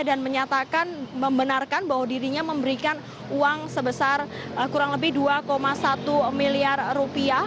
dan menyatakan membenarkan bahwa dirinya memberikan uang sebesar kurang lebih dua satu miliar rupiah